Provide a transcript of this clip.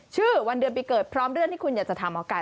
ชื่อวันเดือนปีเกิดพร้อมเรื่องที่คุณอยากจะถามหมอไก่